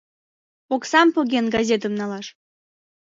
Оксам поген, газетым налаш.